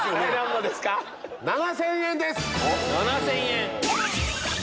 ７０００円です！